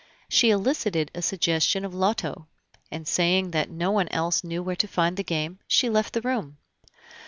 She elicited a suggestion of loto, and saying that no one else knew where to find the game, she left the room.